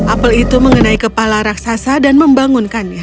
apel itu mengenai kepala raksasa dan membangunkannya